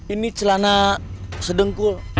ini celana sedengkul